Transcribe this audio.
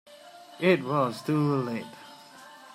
It was too late.